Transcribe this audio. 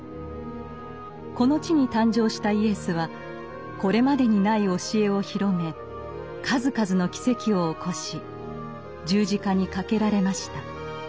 この地に誕生したイエスはこれまでにない教えを広め数々の奇跡を起こし十字架にかけられました。